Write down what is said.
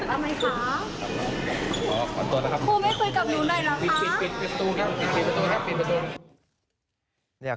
สั่งสำคัญ